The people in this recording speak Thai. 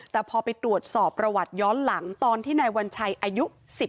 แต่พอไปตรวจสอบประวัติย้อนหลังตอนที่นายวัญชัยอายุ๑๐